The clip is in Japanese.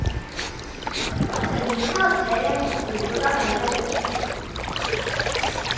ウサギに触ってええんは飼育係だけ。